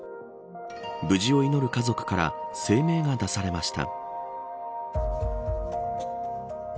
無事を祈る家族から声明が出されました。